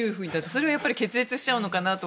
それは決裂しちゃうのかなと。